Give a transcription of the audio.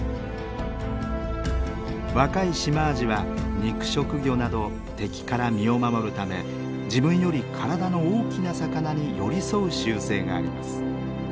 若いシマアジは肉食魚など敵から身を守るため自分より体の大きな魚に寄り添う習性があります。